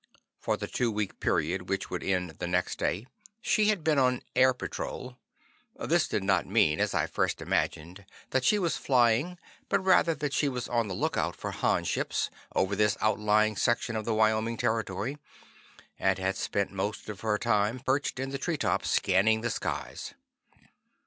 For the two week period which would end the next day, she had been on "air patrol." This did not mean, as I first imagined, that she was flying, but rather that she was on the lookout for Han ships over this outlying section of the Wyoming territory, and had spent most of her time perched in the tree tops scanning the skies.